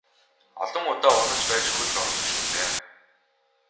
Олон удаа унаж байж хөлд ордог шүү дээ.